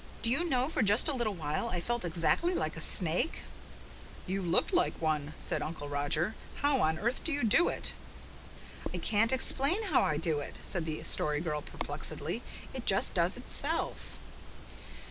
Do you know, for just a little while, I felt exactly like a snake." "You looked like one," said Uncle Roger. "How on earth do you do it?" "I can't explain how I do it," said the Story Girl perplexedly. "It just does itself."